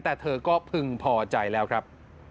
แต่เธอก็พึงพอใจแล้วครับ